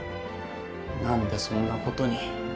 何でそんなことに。